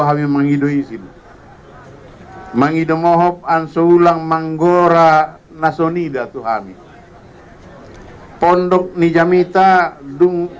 hamil mengidu isim mengidu mohob ansur ulang manggora naso nida tuhan pondok nijamita dung